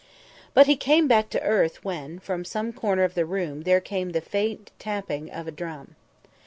But he came back to earth when from some corner of the room there came the faint tapping of a drum.